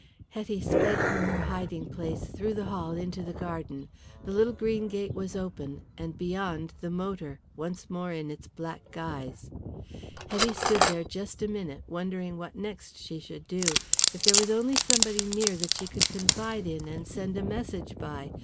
Hetty sped from her hiding place through the hall into the garden. The little green gate was open, and beyond the motor, once more in its black guise. Hetty stood there just a minute, wondering what next she should do. If there was only somebody near that she could confide in and send a message by!